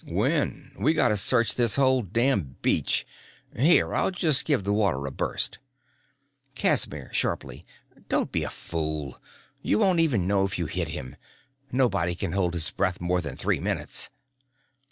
"When? We gotta search this whole damn beach. Here, I'll just give the water a burst." Casimir, sharply "Don't be a fool. You won't even know if you hit him. Nobody can hold his breath more than three minutes."